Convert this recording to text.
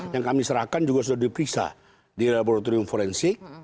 yang kami serahkan juga sudah diperiksa di laboratorium forensik